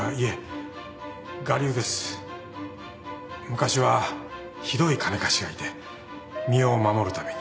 昔はひどい金貸しがいて身を守るために。